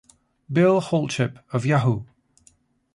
Bill Holdship of Yahoo!